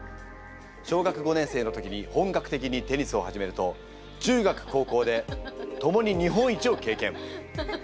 小学５年生の時に本格的にテニスを始めると中学高校でともに日本一を経験。